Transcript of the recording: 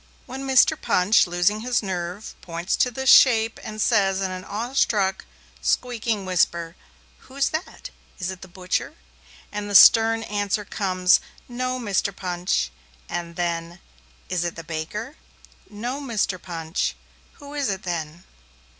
When Mr. Punch, losing his nerve, points to this shape and says in an awestruck, squeaking whisper, 'Who's that? Is it the butcher?' and the stern answer comes, 'No, Mr. Punch!' And then, 'Is it the baker?' 'No, Mr. Punch!' 'Who is it then?'